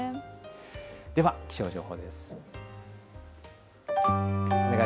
では気象情報です。